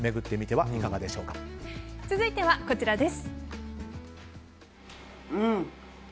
続いてはこちらです。